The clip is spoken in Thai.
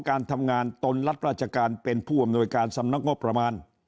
การทำงานตนรับราชการเป็นผู้อำนวยการสำนักงบประมาณ